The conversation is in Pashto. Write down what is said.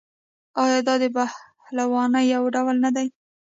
آیا دا د پهلوانۍ یو ډول نه دی؟